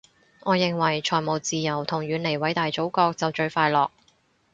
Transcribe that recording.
我認為財務自由同遠離偉大祖國就最快樂